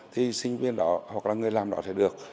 thì sinh viên đó hoặc là người làm đó sẽ được